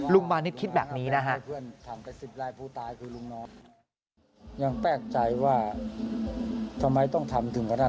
มานิดคิดแบบนี้นะฮะ